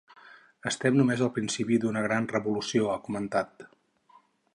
“Estem només al principi d’una gran revolució”, ha comentat.